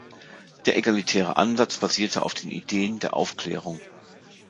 Der egalitäre Ansatz basierte auf den Ideen der Aufklärung.